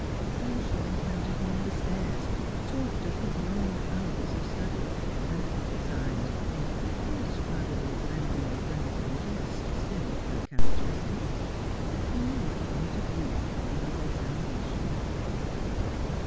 How she encountered him on the stairs, talked of his long hours of study, and prophesied with that indescribable blending of gravity and jest, still her characteristic that he would come to grief over his examination.